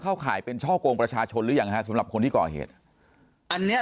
ข่ายเป็นช่อกงประชาชนหรือยังฮะสำหรับคนที่ก่อเหตุอันเนี้ย